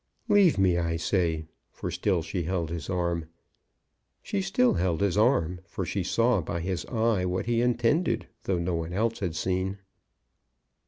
"Leave me, I say." For still she held his arm. She still held his arm, for she saw by his eye what he intended, though no one else had seen.